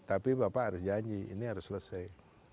tapi bapak harus janji ini harus selesai